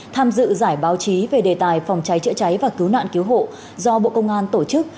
tham dự giải báo chí về đề tài phòng cháy chữa cháy và cứu nạn cứu hộ do bộ công an tổ chức